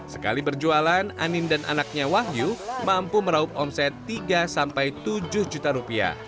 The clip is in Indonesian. sekali berjualan anin dan anaknya wahyu mampu meraup omset tiga sampai tujuh juta rupiah